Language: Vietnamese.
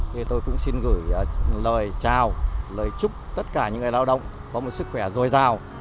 thì tôi cũng xin gửi lời chào lời chúc tất cả những người lao động có một sức khỏe dồi dào